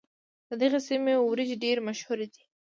د دغې سيمې وريجې ډېرې مشهورې دي.